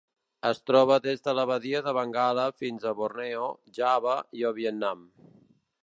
Es troba des de la Badia de Bengala fins a Borneo, Java i el Vietnam.